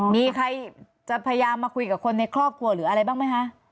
มีใครจะพยายามมาคุยกับคนในครอบครัวหรืออะไรบ้างไหมคะ